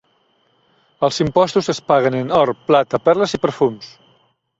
Els impostos es paguen en or, plata, perles i perfums.